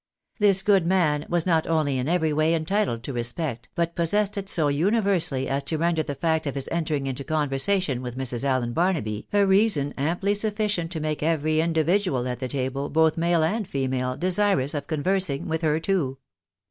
This good man was not only in every way entitled to respect, but pos sessed it so universally as to render the fact of his entering into conversation with Mrs. Allen Barnaby a reason amply sufficient to make every individual at the table, both male and female, desirous of conversing with her too.